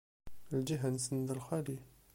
Lǧiha-nsen d lxali.